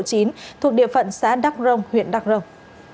thuộc địa phận xã đắc rông huyện đắc rông